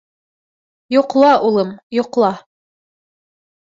— Йоҡла, улым, йоҡла.